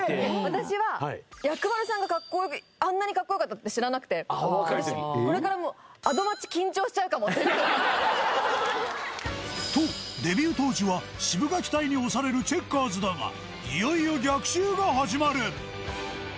私は薬丸さんがあんなにかっこよかったって知らなくて私これからもう。とデビュー当時はシブがき隊に押されるチェッカーズだがいよいよ逆襲が始まる。